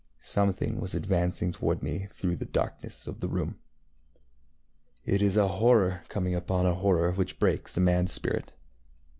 Something was advancing toward me through the darkness of the room. It is a horror coming upon a horror which breaks a manŌĆÖs spirit.